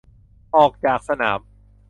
ออกจากสนาม